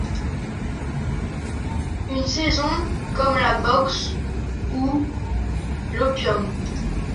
Une saison, comme la boxe ou… l’opium.